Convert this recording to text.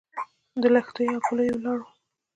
د لښتيو او پلیو لارو